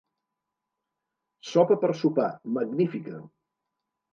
Sopa per sopar, magnífica!